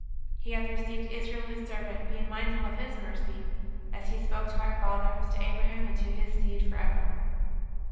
He hath re ceived Israel His servant, being mindful of His mercy. As He spoke to our fathers, to Abraham and to his seed for ever."